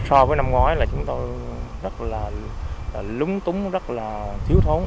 so với năm ngoái là chúng tôi rất là lúng túng rất là thiếu thốn